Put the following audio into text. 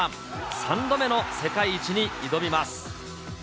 ３度目の世界一に挑みます。